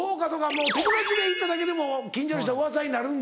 もう友達の家行っただけでも近所の人うわさになるんだ。